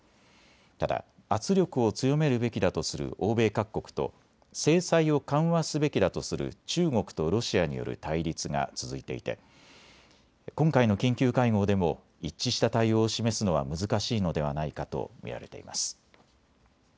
ただ圧力を強めるべきだとする欧米各国と制裁を緩和すべきだとする中国とロシアによる対立が続いていて今回の緊急会合でも一致した対応を示すのは難しいのではないかと見られています。